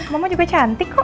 mama juga cantik kok